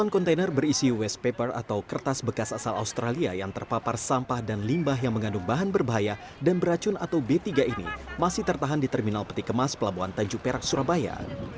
delapan kontainer berisi waste paper atau kertas bekas asal australia yang terpapar sampah dan limbah yang mengandung bahan berbahaya dan beracun atau b tiga ini masih tertahan di terminal peti kemas pelabuhan tanjung perak surabaya